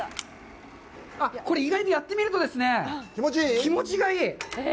これ、意外とやってみるとですね、気持ちがいい。